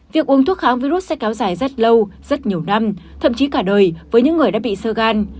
việc uống thuốc kháng virus sẽ kéo dài rất lâu rất nhiều năm thậm chí cả đời với những người đã bị sơ gan